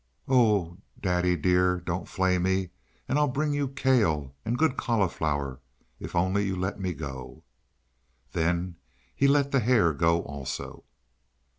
"Oh! daddy dear! Don't flay me, and I'll bring you kale and good cauliflower if only you let me go!" Then he let the hare go also.